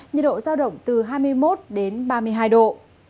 nhiệt độ giao động từ hai mươi một đến ba mươi hai độ